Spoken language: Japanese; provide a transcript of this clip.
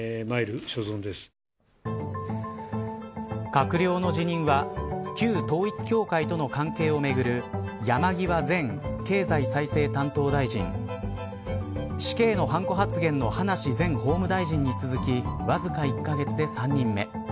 閣僚の辞任は旧統一教会との関係をめぐる山際前経済再生担当大臣死刑のハンコ発言の葉梨前法務大臣に続きわずか１カ月で３人目。